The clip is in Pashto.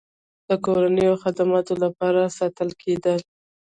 د کورنیو خدماتو لپاره ساتل کېدل.